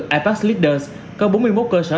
apac leaders có bốn mươi một cơ sở